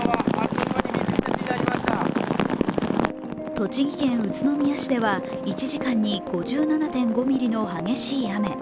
栃木県宇都宮市では１時間に５７．５ミリの激しい雨。